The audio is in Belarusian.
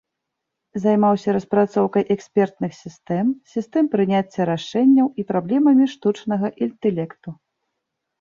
Займаўся распрацоўкай экспертных сістэм, сістэм прыняцця рашэнняў і праблемамі штучнага інтэлекту.